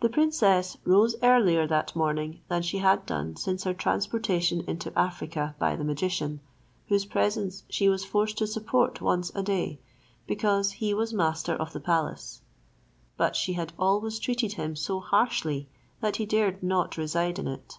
The princess rose earlier that morning than she had done since her transportation into Africa by the magician, whose presence she was forced to support once a day, because he was master of the palace; but she had always treated him so harshly that he dared not reside in it.